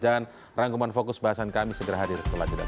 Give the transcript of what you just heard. dan rangkuman fokus bahasan kami segera hadir setelah tidur